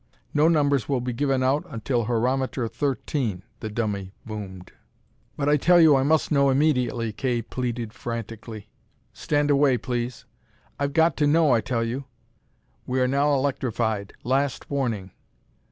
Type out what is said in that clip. "No numbers will be given out until Horometer 13," the dummy boomed. "But I tell you I must know immediately!" Kay pleaded frantically. "Stand away, please!" "I've got to know, I tell you!" "We are now electrified. Last warning!"